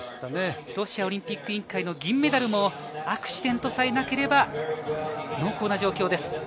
ロシアオリンピック委員会の銀メダルもアクシデントさえなければ濃厚な状況です。